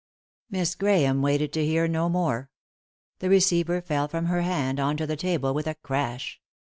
Miss Grahame waited to hear no more. The re ceiver felt from her band on to the table with a crash.